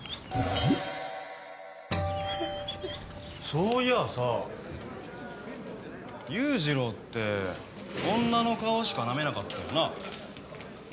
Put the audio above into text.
そういやさ裕次郎って女の顔しかなめなかったよな。